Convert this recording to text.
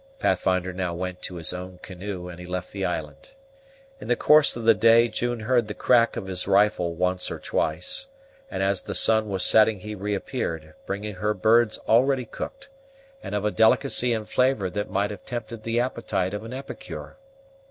Pathfinder now went to his own canoe, and he left the island. In the course of the day June heard the crack of his rifle once or twice; and as the sun was setting he reappeared, bringing her birds ready cooked, and of a delicacy and flavor that might have tempted the appetite of an epicure.